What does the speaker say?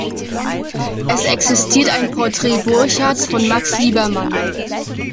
Es existiert ein Porträt Burchards von Max Liebermann.